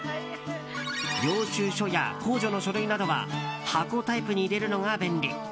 領収書や控除の書類は箱タイプに入れるのが便利。